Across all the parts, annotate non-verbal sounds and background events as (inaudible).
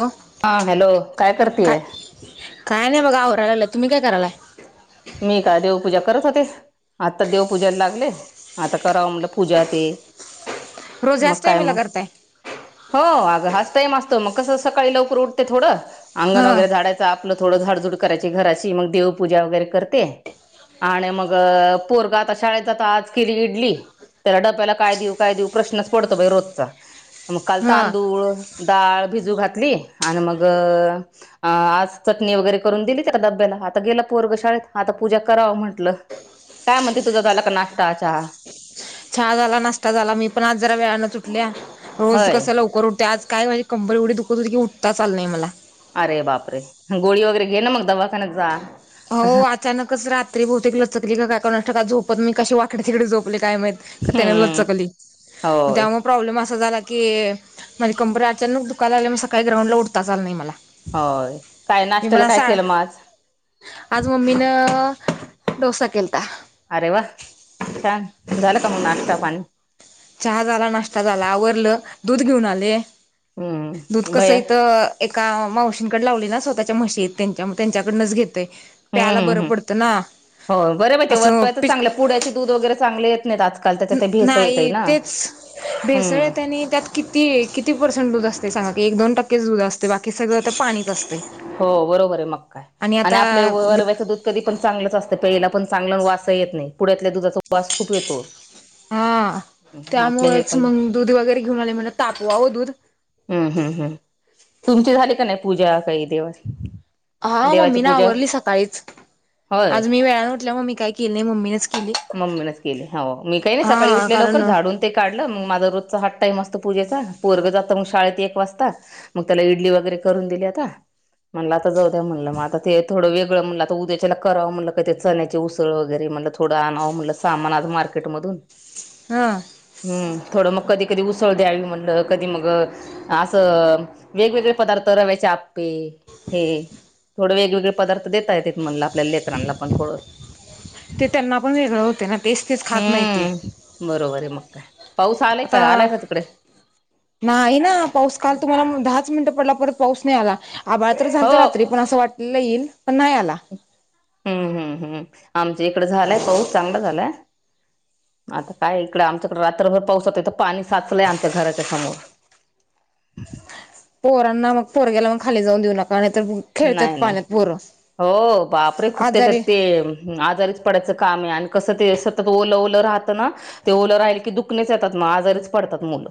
हो हा हॅलो करतेय काय काय नाही बघा आवरायलागल्या तुम्ही काय करायलाय? मी का देवपूजा करत होते. आत्ता देवपूजाला लागले आता कराव म्हटल पूजा ते. रोज मग याच काय टायमिंगला मग. करताय हो अग हाच टइम असतो मग कस सकाळी लवकर उठते थोडं अंगण हं वगैरे झाडायच आपल थोड झाडजूड करायची घराची मग देवपूजा वगैर कर ते आणि मग पोरग आता शाळेत जात आज केली इडली. त्याला डब्याला काय देऊ काय देऊ प्रश्नच पडतो बाई रोजचा मग काल हं तांदूळ डाळ भिजू घातली आणि मग अ आज चटणी वगैरे करून दिली त्याला डब्याला आता गेला पोरग शाळेत. आता पूजा कराव म्हटल. काय म्हणते तुझा झाला का नाष्टा, चहा? चहा झाला नाष्टा झाला मी पण आज जरा वेळानच उठल्या रोज होय कस लवकर उ ते आज काय माझी कंबर एवढी दुखत होती की उठताच आल नाही मला. अरे बाप रे गोळी वगैरे घे ना मग दवाखान्यात जा. हो अचानकच रात्री बहुतेक लचकली का काय कोणास ठाऊक झोपेत मी कसे वाकडी तिकडी झोपले काय माहित. का त्याने हम्म लचकली मग होय त्यामुळं प्रॉब्लेम असा झाला की माझी कंबर अचानक दुकाय लागल्या मुळ सकाळी ग्राउंडला उठताच आल नाही मला. होय काय मी पण नाष्ट्याला काय असा केलं मग आज? आज मम्मीन डोसा केलता. अरे वा छान झाल का मंग नाष्टा पाणी? चहा झाला नाष्टा झाला आवरल दूध घेऊन आले दूध हम्म कस भैया इथ एका मावशींकड लावलय ना स्वतःच्या म्हशी आहेत त्यांच्या मग त्यांच्याकडनच घेते. हम्म हम्म हम्म हो बर मग असं ते पि चांगल पुड्याचे दूध वगैरे चांगले येत नाहीत आजकाल तर. नाही तेच भेसळ हम्म येते आणि त्यात किती किती परसेंट दूध असते सांगा की एक दोन टक्केच दूध असते बाकी सगळं तर पाणीच असतय. हो बरोबर आहे मग काय आणि आपल्या वरव्याच दूध कधी पण चांगलच असत प्यायला पण चांगल आणि वासही येत नाही पुड्यातल्या दुधाचा वास खूप येतो. हां आपलं हे त्यामुळेच पण मग दूध वगैरे घेऊन आले म्हणल तापवाव दूध. हम्म हम्म हम् तुमची झाली का नाही पूजा काही देव? हा मम्मी ना आवरली सकाळीच होय आज मी वेळाने उठल्या मम्मी काय केल नाही मम्मीनेच केली मम्मीनेच केली हो मी काय काही नाही सकाळी हा उठले लवकर कारण झाडून ते काढल मग माझा रोजचा हाच टाईम असतो पूजेचा पोरग जात मग शाळेत एक वाजता. मग त्याला इडली वगैरे करून दिली आता. म्हणल आता जाऊ द्या म्हणल, मग आता ते थोडं वेगळ म्हणल आता उद्याच्याला कराव म्हणल का ते चण्याची उसळ वगैरे म्हणल. थोड आणाव म्हणल सामान आज मार्केटमधून. हां हम्म थोड मग कधी कधी उसळ द्यावी म्हणल कधी मग अस वेगवेगळे पदार्थ रव्याचे आ प्पे हे थोडे वेगवेगळे पदार्थ देेता येतात म्हणला. आपल्या लेकरांला पण थोड. आपण वेगळ होतय ना. तेच तेच खात नाही ते हम्म बरोबर आहे मग काय. पाऊस आलाय आता का आलाय का तिकडे? नाही ना पाऊस काल तुम्हाला दहाच मिनट पडला परत पाऊस नाही आला. आभाळ तर हो झालत रात्री पण अस वाटलेल येईल पण नाही आला. हम्म हम्म हम् आमच्या इकड झालाय पाऊस चांगला झालाय. आता काय इकडं आमच्याकड रात्रभर पाऊस इथ तर पाणी साचलय आमच्या घराच्या समोर. पोरांना मग पोरग्याला मग खाली जाऊन देऊ नका नाही तर नाही नाही हो बापरे खूप त्याच्यात आजारी ते हम्म आजारीच पडायच काम आहे आणि कस ते सतत ओल ओल राहत ना. ते ओल राहिल की दुखणच येतात मग आजारीच पडतात मुल.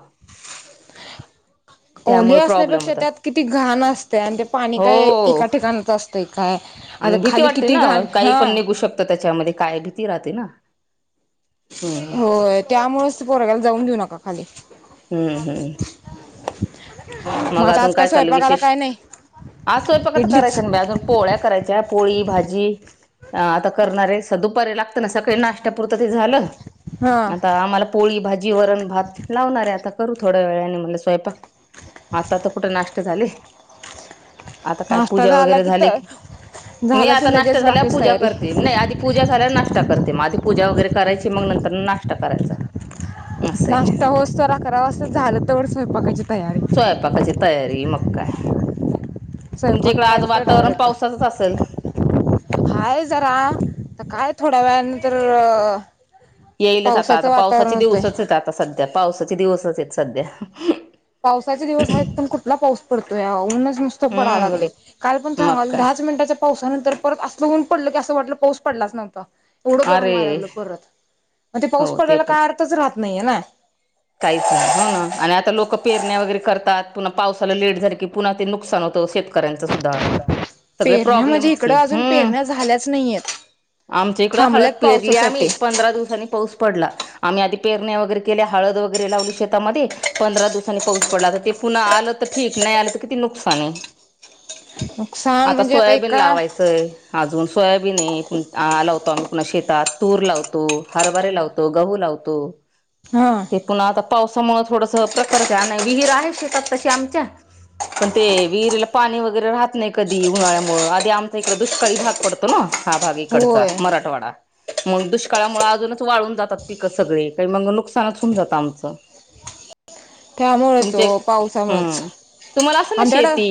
ओली असण्यापेक्षा त्यात किती घाण असतेया आणि ते पाणी हो काय एका ठिकाणाच असत. ते काय आता खाली किती घाण, हां. तर त्याच्यामध्ये काय भीती राहते ना? हम्म होय. त्यामुळेच ते पोरग्याला जाऊन देऊ नका खाली. हम्म. हम्म. मग आता अजून आज काय चाल्लंल स्वयंपाकाला विशेष? काय नाही आज स्वयंपाक आता इडलीच करायचं नाही बा अजून. पोळ्या करायच्या. पोळी भाजी. आता करणार आहे. स दुपारी लागत ना? सकाळी नाष्ट्यापुरतं तर झालं- हा आता आम्हाला पोळी भाजी, वरण भात लावणार आहे. आता करू थोड्या वेळाने म्हणलं स्वयंपाक. आत्ता तर कुठे नाष्टा झाले. आता काय नाश्ता पूजा झाला वगैरे झाली तर की, मी झालं की आता नाष्टा लगेच झाल्यावर बाकीची पूजा तयारी करते. नाही आधी- पूजा झाल्यावर नाष्टा करते मग. आधी पूजा वगैरे करायची मग नंतर नाष्टा करायचा. असं आहे नाष्टा होऊस तवर अकरा वाजत्यात. झालं तवर स्वयपाकायची तयारी. स्वयपाकाची तयारी मग काय? तुमच्या स्वयंपाक इकडं आज करायचं तर वातावरण डावरायचा पावसाचंच असल? हाय जरा. आता काय थोड्या वेळानंतर- येईलच आता. पावसाचं आता वातावरण पावसाचे होतंय दिवसच आहेत आता. सध्या पावसाचे दिवसच आहेत सध्या. पावसाचे दिवस आहेत. पण कुठला पाऊस पडतोया. ऊनच नुसत- पडाय हम्म लागलयं. काल पण मग सांगालोय काय दहाच मिनिटाचा- पावसानंतर परत असलं ऊन पडलं की, असं वाटलं पाऊस पडलाच नव्हता. एवढं गरम व्हायला अरे लागलं परत. मग ते पाऊस हो पडल्याला पण काय अर्थच राहत नाहीये ना? काहीच नाही. हो ना. आणि आता लोक पेरण्या वगैरे करतात. पुन्हा पावसाला लेट झाले की पुन्हा ते नुकसान होतं. शेतक- -कऱ्याचं सुद्धा. सगळ पेरण्या म्हणजे प्रॉब्लेमचं इकडं कि. अजून हं. पेरण्या झाल्याच नाहीयेत आमच्या इकडं हळद थांबल्यात पेरली आम्ही. पावसासाठी पंधरा दिवसांनी पाऊस- पडला. आम्ही आधी पेरण्या वगैरे केल्या हळद वगैरे लावली शेतामध्ये- पंधरा दिवसांनी पाऊस पडला. आता ते पुन्हा आलं तर ठीक. नाही आलं तर किती नुकसान ए? नुकसान आता म्हणजे सोयाबीन एका लावायचंय. अजून सोयाबीन आहे लावतो आम्ही पुन्हा शेतात. तूर लावतो. हरभरे लावतो. तो. गहू लावतो. हां. ते पुन्हा आता पावसामुळे थोडस प्रकरच आहे. विहीर आहे शेतात तशी आमच्या. पण ते विहिरीला पाणी वगैरे राहत नाही कधी उन्हाळ्यामुळ. आधी आमच्या इकडं दुष्काळी भाग पडतो ना? हा भाग इकडचा होय मराठवाडा. मग दुष्काळामुळे अजूनच वाळून जातात पिक सगळे. तर मग नुकसानच- होऊन जात आमचं. त्यामुळेच तुमचे ओ पावसामुळच. हम्म तुम्हाला असेल ना आमच्याकडं- शेती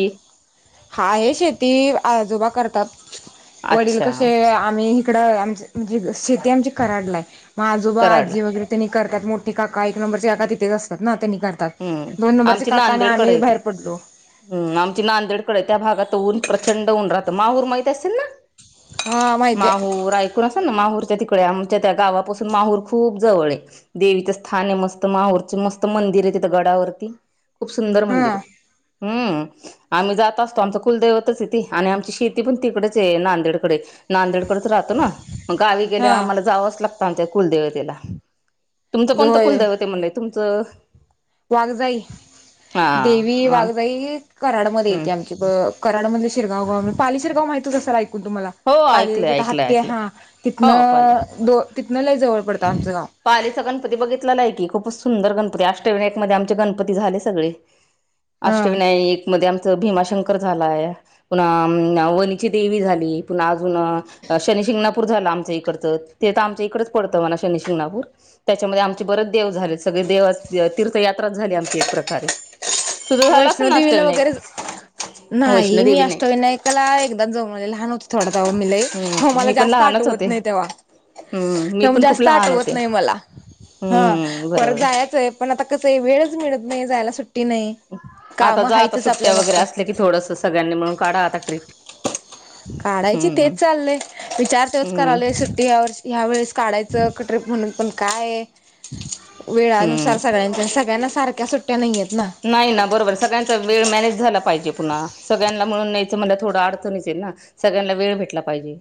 आहे शेती. आजोबा करतात. वडील अच्छा कसे? आम्ही इकडं आमच म्हणजे- शेती आमची कराडलाय. मग आजोबा, कराडला आजी वगैरे- त्यांनी करतात. मोठी काका एक नंबरचे काका तिथेच असतात ना? त्यांनी करत- -तात. हम्म दोन नंबरचे काका आणि आम्ही बाहेर पडलो. हम. आमची नांदेडकडेय. त्या भागात ऊन प्रचंड ऊन राहतं. माहूर माहित असेल ना? हा माहिती आहे माहूर- असल ना? माहूरच्या तिकडे. आमच्या त्या गावापासून माहूर खूप जवळ आहे. देवीचं स्थान आहे. मस्त माहूरचं मस्त मंदिर ए - गडावरती, खूप सुंदर मंदिर हा आहे. हम्म. आम्ही जात असतो. आमचं कुलदैवतच ए ते. आणि आमची शेती पण तिकडेच आहे नांदेडकडे. नांदेडकडच राहतो ना? म गावी हा गेल्याव आम्हाला जावंच लागतं आमच्या कुलदैवतेला. तुमचं कोणत होय कुलदैवते म्हणले? तुमचं- वाघजाई. हा देवी वाघजाई- कराडमध्ये हम्म येते आमची. कराडमध्ये शिरगाव गाव. पाली शिरगाव माहितीच असेल ऐकून तुम्हाला? हो पालीला ऐकलंय तिथ ऐकलंय हत्ती. ऐकलं हा. हो पाले तिथनं द तिथनं लय जवळ पडतं आमचं गाव. पालीचा गणपती बघितलायकी. खूपच सुंदर गणपती. अष्टविनायकमध्ये आमचे गणपती झाले सगळे. हा अष्टविनायक मध्ये आमचं भीमाशंकर झालाय. पुन्हा वणीची देवी झाली. पुन्हा अजून- शनी शिंगणापूर झाल आमच्या इकडच. ते तर आमच्या इकडच पडतं म्हणा शनी शिंगणापूर. त्याच्यामध्ये आमचे बरच देव झाले. सगळे देवात तीर्थयात्राच झाली आमची एक प्रकारे. तुझं झालं असेल ना वैष्णोदेवीला अष्टविनायक वगैरे- नाही. मी वैष्णोदेवी नाही अष्टविनायकाला एकदाच जाऊन आले. लहान होते थोड तेव्हा मी लई. म हम्म मला मी पण जास्त लहानच होते आठवत नाहीत. तेवा- हम्म. मी- पण खूप जास्त लहान आठवत होते नाही मला. हं. हम्म परत बरोबर जायाचय. पण आता कसय? वेळच मिळत नाही. जायला सुट्टी नाही. आता काम जा. आता हायतच आपल्या सुट्ट्या वगैरे मागचं असल्या की थोडस सगळ्यांनी मिळून काढा आता ट्रीप. काढायची हम्म तेच चाललय. विचार तोच हम्म करायलोय सुट्टी यावर्षी- ह्या वेळेस काढायचं क ट्रीप म्हणून. पण काय- वेळानुसार हम्म सगळ्यांच्या. सगळ्यांना सारख्या सुट्ट्या नाहीयेत ना? नाही ना. बरोबर सगळ्यांचा वेळ मॅनेज झाला पाहिजे पुन्हा. सगळ्यांना मिळून न्यायचं म्हटलं थोडं अडचणच आहे ना? सगळ्यांना वेळ भेटला पाहिजे.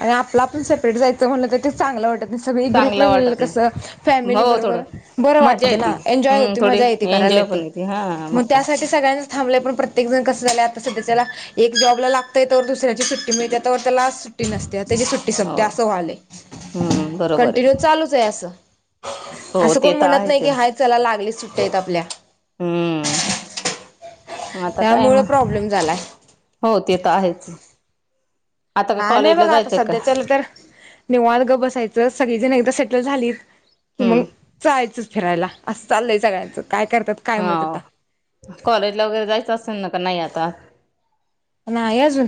आणि आपल आपण सेपरेट जायचं म्हणलं तर ते चांगलं वाटतं- सगळी ग्रुप न चांगलं गेलेलं वाटत कसं? नाही फॅमिली हो बरोबर थोडं बरं मज्जा वाटतं ना? एन्जॉय होती. मजा येते करायला येते. ते हां. म - मग त्यासाठी सगळ्यांनीच थांबलय. पण प्रत्येक जण कसं झाल? आता सध्याच्याला- एक जॉबला लागतय. तवर दुसऱ्याची सुट्टी मिळते. तवर त्याला- सुट्टी नसते. त्याची सुट्टी हो सपते. असं व्हायलंय. हम्म बरोबर कंटिन्यू चालूच आहे असं. हो असं ते कोण तर म्हणत नाही आहेच की आहे हाय चला लागलीच सुट्ट्या ए त आपल्या. हम्म. आता काय त्यामुळे मग? प्रॉब्लेम झालाय हो. ते तर आहेच. आता का हा. नाही म कॉलेजला आता जायचंय का सध्याचाला तर- निवांत गप बसायचं. सगळीजण एकदा सेटल झालीत कि मग- हम्म जायचच फिरायला. असं चाललंय सगळ्यांचं. काय करतात- काय माहित हाव. आता कॉलेजला वगैरे जायचं असेल ना का नाही आता? नाही अजून.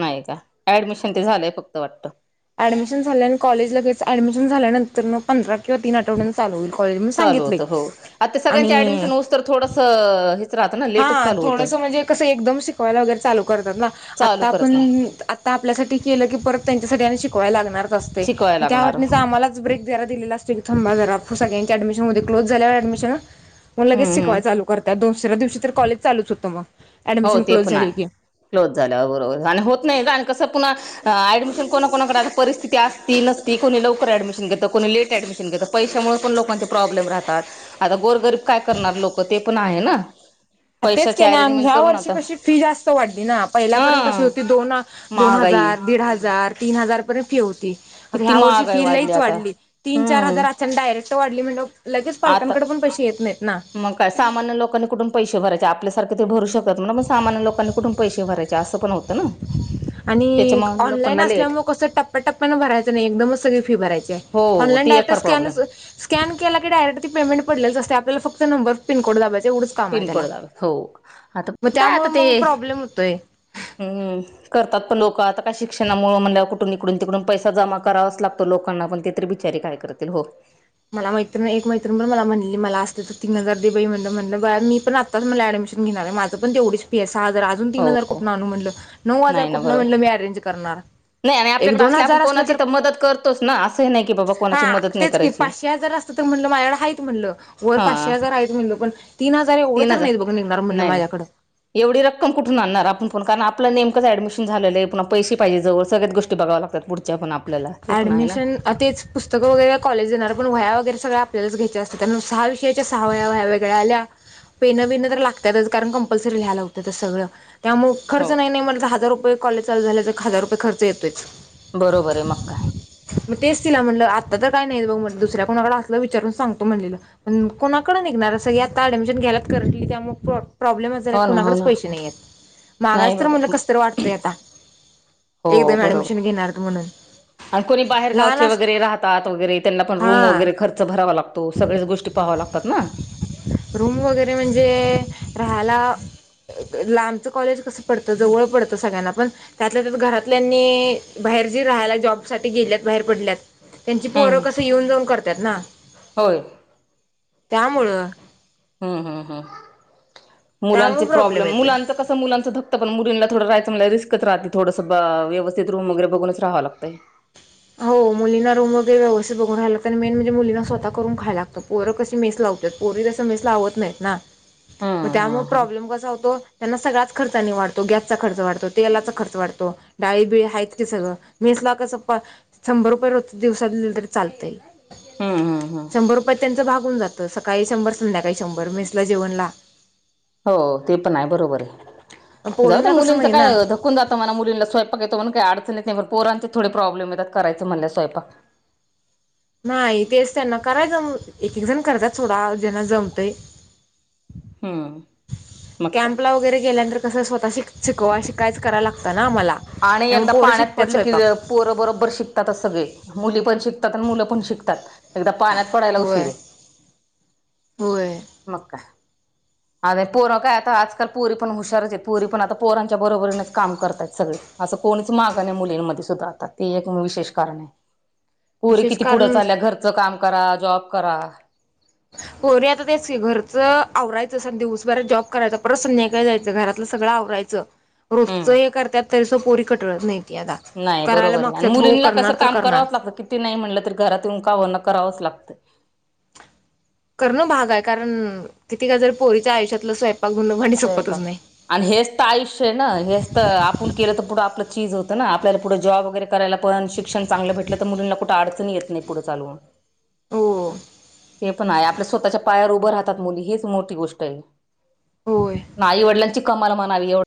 नाही का? ऍडमिशन ते झालंय फक्त वाटतं. ऍडमिशन झाल्या आणि कॉलेजलगेच. ऍडमिशन झाल्यानंतर मग- पंधरा किंवा तीन आठवड्यान चालू होईल कॉलेज म्हणून चालू सांगितलय. होतं हो आता सगळ्यांचे आणि- ऍडमिशन होऊस तर थोडस- राहतं ना लेटच हां. चालू होतं थोडस म्हणजे कसं? एकदम शिकवायला वगैरे चालू करतात ना? चालू आत्ता करत नाही पण- आपल्यासाठी केलं की परत त्यांच्यासाठी आणि शिकवाय लागणारच असतय. शिकवाय मग त्या लागणार वाटणीच हम्म आम्हाला- ब्रेक दिलेला असत की, थांबा जरा सगळ्यांची ऍडमिशन होऊ दे, क्लोज झाल्यावर ऍडमिशन मग लगेच हम्म शिकवाय चालू करतात दुसऱ्या दिवशी तर कॉलेज चालूच होतं मग. हो ऍडमिशन ते क्लोज पण आहे, झाली की क्लोज झाल्यावर बरोबर आणि होत नाही का आणि कसं पुन्हा अ ऍडमिशन कोणा -कोणाकडे आता परिस्थिती असती नसती कोणी लवकर डमिशन घेतं, कोणी लेट ऍडमिशन पैशामुळे पण लोकांचे प्रॉब्लेम राहतात. आता गोरगरीब काय करणार लोक ते पण आहे ना, पैशाचे आरेंजमेंट या वर्षी कशी फी जास्त वाढली ना, हा पहिल्यापर्यंत कशी होती दोन -दोन महागाई हजार, दीड हजार तिन हजारर्यंत फी होती. आता किती या वर्षी महागाई फी लईच आता वाढली तीन चार हम्म हजार त्यां डायरेक्ट वाढली म्हणाल्यावर, लगेच पालकांकडे पण पैसे येत नाहीत ना. का सामान्य लोकांनी कुठून पैसे भरायचे, आपल्यासारखे ते भरू शकत, पण सामान्य लोकांनी कुठून पैसे भरायचे असं पण होतं. ह (inaudible) आणि ऑनलाईन असल्यामुळे कसं टप्प्याटप्प्यानं भरायचं नाही, एकदमच सगळी फी भरायची आहे. हो ऑनलाईन ती एक डाटा फार स्कन प्रॉब्लेम स्कॅन केला डयरेक् ती पेंमेट पडलेलच असते. आपल्याला फक्त नबर पिनकोड दखबायचे एढच. पिनकोड दबायच, हो आता काय आता त्यामुळे ते मग प्रॉब्लेम होतोय हम् करतात पण लोक आता काय शिक्षणामुळे म्हणल्यावर कुठून इिकडून -तिकडून पैसा जमा करावाच लागतो लोकांना पण ते तरी बिचारी काय करतील, हो- मला मैत्रीण, एक मैत्रीण मला म्हणली मला असते तर तीन हजार दे बाई म्हणलं बर मी पण मला ऍडमिशन घेणार आहे, माझ पण तेवढी फी आहे. सहा हजार अजून तीन हो हजार कुठंन आणू म्हटल, नऊ हजार नाही ना कुठन बरोबर म्हटलं म अरेंज करणार? नाही आणि एक आपल्याकडे दोन असल्या, आपण हजार असलं कोणाची तर मदत करतोच ना, असंही नाही की बाबा हा कोणाची मदत नाही तेच करत. की पाचशे हजार असतं तर, म्हटलं माझ्याकडे हाय म्हटलं. वर हा पाचशे हजार आहेत म्हणलं, पण तीन हजार एवढं तीन तर हजार नाही बघ निघणार म्हटलं नाही नाही माझ्याकडं. एवढी रक्कम कुठून आणणार आपण पण, कारण आपलं नेमकंच ऍडमिशन झालेलं आहे पुन्हा पैसे पाहिजे जवळ. सगळ्याच गोष्टी बघाव्या लागतात पुढच्या पण आपल्याला ते पण आहे ना ऍडमिशन, तेच पुस्तकं वगैरे कॉलेज देणार, पण वह्या वगैरे सगळ्या आपल्यालाच घ्यायच्या असतात. कारण सहा विषयाच्या सहा वेग- वेगळ्या आल्या. पेणं बीणं तर लागतातच, कारण कंपल्सरी लिहायला लावतात सगळं त्यामु खर्च हो नाही नाही म्हणता, हजार रुपये कॉलेज चालू झाले तर, हजार रुपये खर्च येतोच. बरोबर आहे. मग काय मग तेच तला म्हटलं, आता तर काय नाही बघ, दुसऱ्या कोणाकडे असलं विचारून सांगतो म्हणलेलं कोणाकड निघणार असं, आता ऍडमिशन घ्यायलात करतील त्या मग प्रॉब्लेम असा झालाय हो ना हो कुणाकडे ना पैसे नाही आहेत, नाही मागाच तर मुणलं बाबा कसरी वाटतय आता. हो एकदम बरोबर ऍडमिशन घेणार म्हणून आणि कोणी बाहेर लहान गावचे अस वगैरे राहतात वगैरे, त्यांना पण रूम हा वगैरे खर्च भरावा लागतो. सगळ्याच गोष्टी पाहावं लागतात ना. रूम वगैरे म्हणजे राहायला लांबचं कॉलेज कसं पडतं, जवळ पडतं सगळ्यांना पण त्यातल्या त्यात घरातल्यानी, बाहेर जी राहायला जॉब साठी गेल्यात बाहेर पडल्यात, त्यांची पोरं हम्म कस येऊन जाऊन करतात ना. होय त्यामुळं ह् ह ह, मुलांचे त्यामुळे प्रॉब्लेम येतोय मुलांच कस, मुलांचा धक् पण मुलींना थोडं राहायंच म्हणलं तर रिस्क राहते. थोडं व्यवस्थित रूम वगैरे बघूनच राहांव लागतय. हो मुलींना रूम वगैरे व्यस्थित बूघुन राहाय लागते. मेन म्हणजे मुलींना स्वत करून खायला लागतो. पोरं कशी मेस लावतात. पोरी तसं मेस लावत नाहीत ना, मग हम्म हम्म त्यामुळे हम्म प्रॉब्लेम कसा होतो त्यांना सगळाच खर्च आणि वाढतो, गॅसचा खर्च वाढतो तेलाचा खर्च वाढतो. डाळीबिळी आहेत की सगळ मेसला कस प शंभर रुपये रोज दिवसात्च दिले तरी चालतय. हम्म हम्म हम्म शंभर रुपयात त्यांच भागून जात सकाळी शंभर संध्याकाळी शंभर मेसला जेवणला. हो ते पण आहे बरोबर पण आहे जाऊ त्या पोरींना तसं मुलींच नाही ना काय धकून जात मला मुलीं स्वयंपाक येतो म्हणून काही अडचण येत नाही परांचा थोडे प्रोब्लेम येतात करायचे म्हणल स्वयंपाक. नाही तेच त्यांना करायच एक एक जण करतात थोडा जाना जमतय‌ हम्म मग काय कॅपला वगैरे गेल्यानंतर तस स्वतः शिक शिकवा शीकाय कराव लागत ना आम्हाला. आणि त्यामुळे एकदा पोरं पाण्यात शिकतात पडल की स्वयंपाक पोर बरोबर शिकतातच सगळे मुली पण शिकतात आणि मुल पण शिकतात. एकदा पाण्यात पडायला होय उशीरय होय मग काय. आता पोरं काय आता आजकाल पोरी पण हुशारच आहे पोरी पण आता पोरांच्या बरोबरीनेच काम करतात सगळी. असं कोणच माग नाही मुलींमध्ये सुद्धा आता ते एक विशेष कारण आहे. पोरी विशेष किती पुढ कारण चालल्या घरच काम करा जॉब करा. पोरी आता तेच की घरचं आवराायचं अस दिवसभरात जॉब करायच परत संध्याकाळी जायच घरात. सगळं आवरायच रोजच हम्म हे करतात तरीसुद्धा पोरी कटाळत नाही. ती आता नाही करायला बरोबर आहे आणि मागतात हो मुलींना कसं करणार तर काम करणार करावच लागत किती नाही म्हटल तरी घरात येऊनका होईना करावच लागत. करण भाग आहे कारण किती गजर पोरीच्या आयुष्यातल स्वयंपाक धून भांडी संपतच स्वयंपाक नाही. आणि हेच तर आयुष्य आहे ना हेच तर आपण केल तर पुढ आपल चीज होत ना आपल्याला पुढे जॉब वगैरे करायला पण शिक्षण चांगल भेटल तर मुलींना कुठे अडचण येत नाही पुढ चालून. हो ते पण आहे आपल्या स्वतःच्या पायावर उभ राहतात मुली हेीच मोठी गोष्ट आहे. होय आणि आई वडिलांची कमाल म्हणावी एवढ